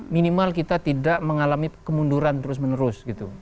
minimal kita tidak mengalami kemunduran terus menerus gitu